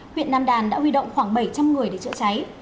huyện nam đàn đã huy động khoảng bảy trăm linh người để chữa cháy